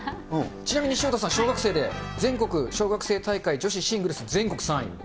ちなみに、潮田さん、小学生で全国小学生大会女子シングルス全国３位。